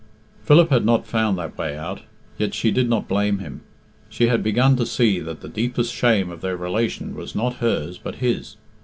Philip had not found that way out, yet she did not blame him. She had begun to see that the deepest shame of their relation was not hers but his.